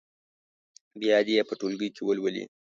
بیا دې یې په ټولګي کې ولولي.